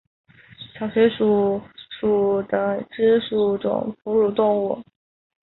小水鼠属等之数种哺乳动物。